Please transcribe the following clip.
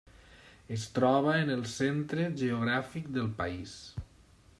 Es troba en el centre geogràfic del país.